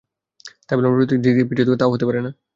তাই বলে আমরা প্রযুক্তির দিক থেকে পিছিয়ে থাকব, তা-ও হতে পারে না।